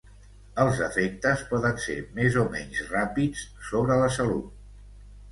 Els efectes poden ser més o menys ràpids sobre la salut.